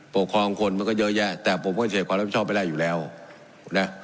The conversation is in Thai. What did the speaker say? ปกครองคนมันก็เยอะแยะแต่ผมก็เสพความรับผิดชอบไม่ได้อยู่แล้วนะ